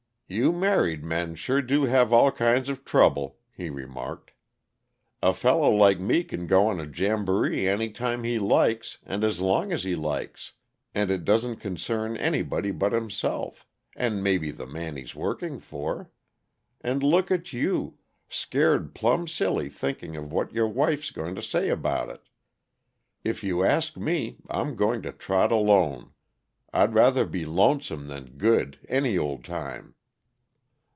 "You married men sure do have all kinds of trouble," he remarked. "A fellow like me can go on a jamboree any time he likes, and as long as he likes, and it don't concern anybody but himself and maybe the man he's working for; and look at you, scared plumb silly thinking of what your wife's going to say about it. If you ask me, I'm going to trot alone; I'd rather be lonesome than good, any old time."